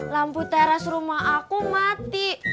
lampu teras rumah aku mati